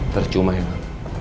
tercuma ya pak